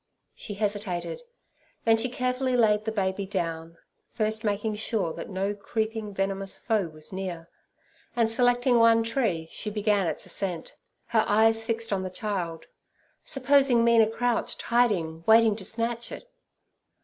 She hesitated, then she carefully laid the baby down, first making sure that no creeping, venomous foe was near; and selecting one tree, she began its ascent, her eyes fixed on the child. Supposing Mina crouched hiding, waiting to snatch it?